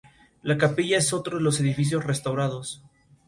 Fue enterrado en la Misión de Santa Bárbara al día siguiente.